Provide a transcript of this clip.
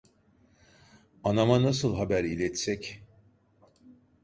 Anama nasıl haber iletsek.